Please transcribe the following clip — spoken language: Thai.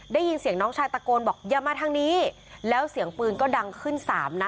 ได้ยินเสียงน้องชายตะโกนบอกอย่ามาทางนี้แล้วเสียงปืนก็ดังขึ้นสามนัด